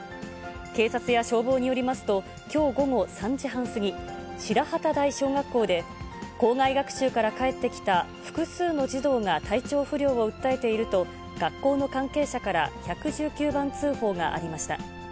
警察や消防によりますと、きょう午後３時半過ぎ、白幡台小学校で、校外学習から帰ってきた複数の児童が体調不良を訴えていると、学校の関係者から１１９番通報がありました。